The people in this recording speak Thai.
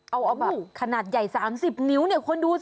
เอาออกมาขนาดใหญ่๓๐นิ้วเนี่ยคุณดูสิ